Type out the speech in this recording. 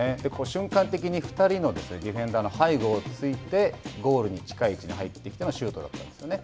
瞬間的に２人のディフェンダーの背後を突いてゴールに近い位置に入ってきてのシュートだったんですね。